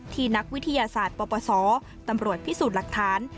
นักวิทยาศาสตร์ปปศตำรวจพิสูจน์หลักฐาน